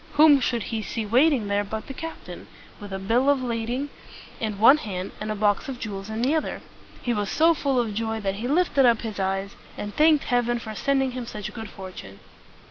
Whom should he see waiting there but the captain, with a bill of lading in one hand and a box of jewels in the other? He was so full of joy that he lifted up his eyes, and thanked Heaven for sending him such good fortune.